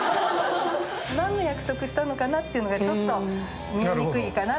何の約束したのかなっていうのがちょっと見えにくいかな。